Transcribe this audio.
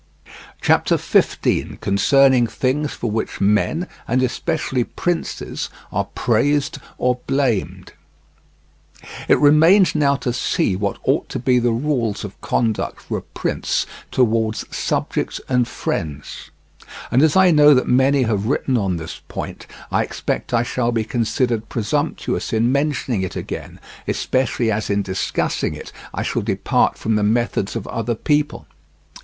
CHAPTER XV. CONCERNING THINGS FOR WHICH MEN, AND ESPECIALLY PRINCES, ARE PRAISED OR BLAMED It remains now to see what ought to be the rules of conduct for a prince towards subject and friends. And as I know that many have written on this point, I expect I shall be considered presumptuous in mentioning it again, especially as in discussing it I shall depart from the methods of other people.